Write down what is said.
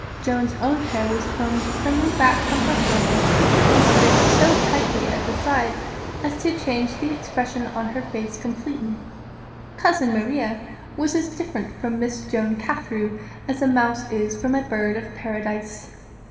Joan's own hair was combed primly back from her forehead, and strained so tightly at the sides as to change the expression of her face completely. "Cousin Maria" was as different from Miss Joan Carthew as a mouse is from a bird of Paradise.